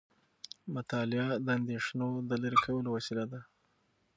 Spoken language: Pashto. مطالعه د اندیښنو د لرې کولو وسیله ده.